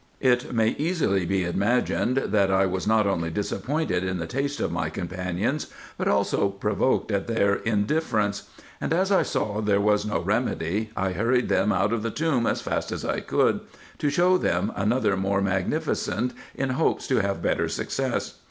It may easily be imagined, that I was not only disappointed in the taste of my companions, but also provoked at their indifference ; and as I saw there was no remedy, I hurried them out of the tomb as fast as I could, to show them another more magnificent, in hopes to have better success.